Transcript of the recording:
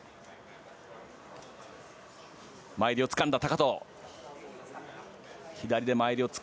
前襟をつかんだ高藤。